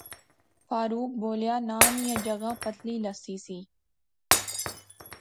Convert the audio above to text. فاروق بولیا ناں نیاں جاغا پتلی لسی سہی